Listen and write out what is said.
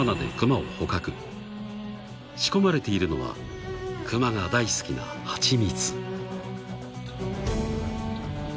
［仕込まれているのはクマが大好きな蜂蜜］